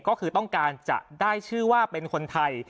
ก็คือต้องการจะได้ชื่อว่าเป็นคนไทย